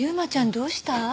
どうした？